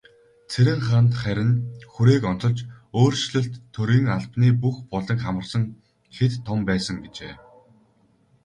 Цэрэнханд харин хүрээг онцолж, "өөрчлөлт төрийн албаны бүх буланг хамарсан хэт том байсан" гэжээ.